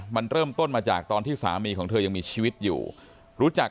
มันเริ่มต้นมาจากตอนที่สามีของเธอยังมีชีวิตอยู่รู้จัก